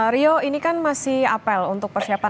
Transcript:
rio ini kan masih apel untuk persiapan